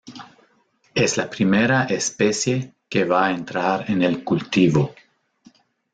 Es la primera especie que va a entrar en el cultivo.